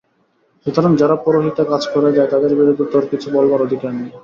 সুতরাং যারা পরহিতে কাজ করে যায়, তাদের বিরুদ্ধে তোর কিছু বলবার অধিকার নেই।